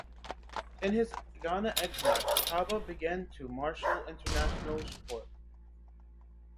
In his Guinea exile, Kabbah began to marshal international support.